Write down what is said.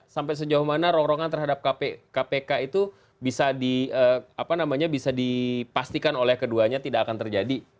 sampai sejauh mana rongrongan terhadap kpk itu bisa dipastikan oleh keduanya tidak akan terjadi